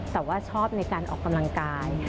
แต่ว่าชอบในการออกกำลังกาย